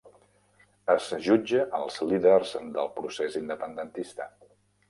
Es jutja als líders del procés independentista